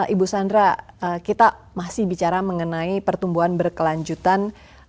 ibu sandra kita masih bicara mengenai pertumbuhan berkelanjutan